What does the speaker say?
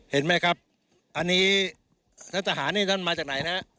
เห็นไหมครับอันนี้รัฐทหารนี่ท่านมาจากไหนนะฮะ